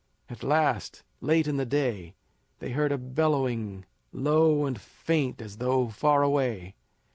At last, late in the day, they heard a bellowing, low and faint as though far away.